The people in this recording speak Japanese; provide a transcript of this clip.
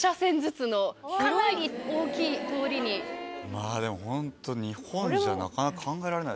まぁでもホント日本じゃなかなか考えられない。